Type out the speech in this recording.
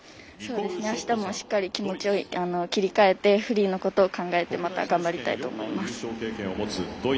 あしたもしっかり気持ちを切り替えてフリーのことを考えてまた頑張りたいと思います。